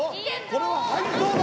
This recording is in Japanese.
これは入りそうだ！